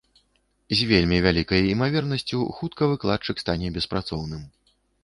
З вельмі вялікай імавернасцю хутка выкладчык стане беспрацоўным.